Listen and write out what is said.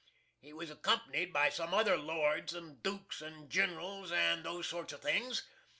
He was accompanied by some other lords and dukes and generals and those sort of things.